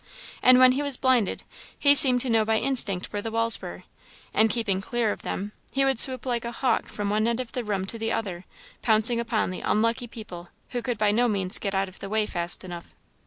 And when he was blinded, he seemed to know by instinct where the walls were, and keeping clear of them, he would swoop like a hawk from one end of the room to the other, pouncing upon the unlucky people who could by no means get out of the way fast enough.